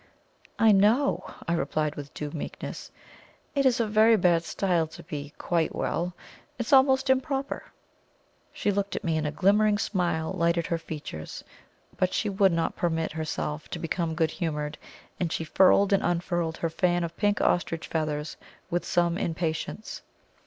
"I know!" I replied with due meekness. "It is very bad style to be quite well it is almost improper." She looked at me, and a glimmering smile lighted her features. But she would not permit herself to become good humoured, and she furled and unfurled her fan of pink ostrich feathers with some impatience.